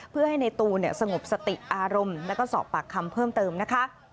เพื่อให้ในตูนสงบสติอารมณ์แล้วก็สอบปากคำเพิ่มเติมนะคะ